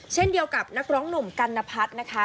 เช่นเดียวกับนักร้องหนุ่มกัณพัฒน์นะคะ